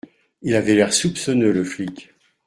Il avait l’air soupçonneux, le flic.